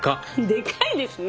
でかいですね。